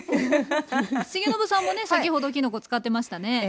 重信さんもね先ほどきのこ使ってましたね。